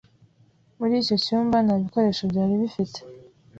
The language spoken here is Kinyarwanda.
Muri icyo cyumba nta bikoresho byari bifite.